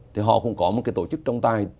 thì họ cũng có một cái tổ chức trong tài